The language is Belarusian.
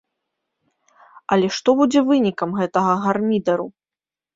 Але што будзе вынікам гэтага гармідару?